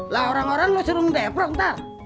lah orang orang lo suruh mendeplok ntar